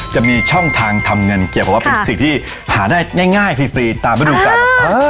จะมีช่องทางทำเงินเกี่ยวกับว่าเป็นสิ่งที่หาได้ง่ายฟรีตามฤดูกาล